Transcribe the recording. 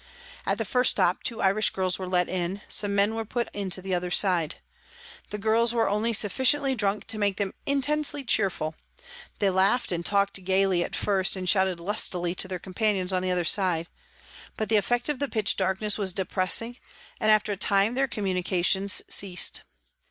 At the first stop, two Irish girls were let in ; some men were put into the other side. The girls were only sufficiently drunk to make them intensely cheerful ; they laughed and talked gaily at first and shouted lustily to their companions on the other side. But the effect of the pitch darkness was depressing, and after a time their communications ceased.